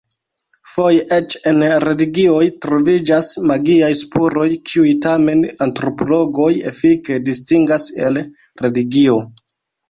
Foje eĉ en religioj troviĝas magiaj spuroj, kiuj tamen antropologoj efike distingas el religio.